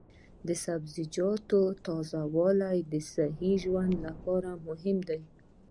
د سبزیجاتو تازه والي د صحي ژوند لپاره مهمه ده.